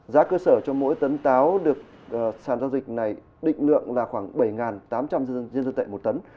giá cơ sở cho mỗi tấn táo được sản giao dịch này định lượng là khoảng bảy tám trăm linh nhân dân tệ một tấn